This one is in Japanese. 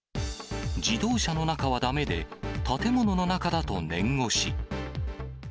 自動車の中はだめで、建物の中だと念押し。